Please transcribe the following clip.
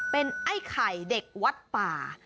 เป็นไอ้ไข่เด็กวัดป่า